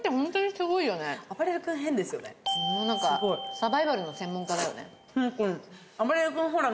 すごい何かサバイバルの専門家だよね